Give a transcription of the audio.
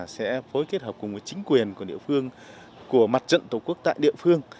sẽ phối kết hợp cùng với chính quyền của địa phương của mặt trận tổ quốc tại địa phương